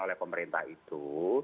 oleh pemerintah itu